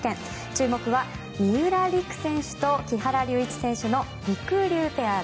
注目は、三浦璃来選手と木原龍一選手のりくりゅうペア。